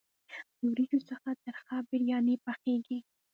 له وریجو څخه ترخه بریاني پخیږي.